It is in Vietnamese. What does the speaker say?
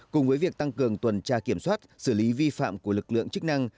cùng với việc tăng cường tuần tra kiểm soát xử lý vi phạm của lực lượng chức năng